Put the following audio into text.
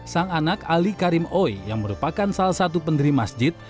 sang anak ali karim oi yang merupakan salah satu pendiri masjid